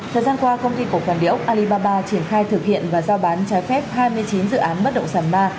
thời gian qua công ty cổ phần địa ốc alibaba triển khai thực hiện và giao bán trái phép hai mươi chín dự án bất động sản ba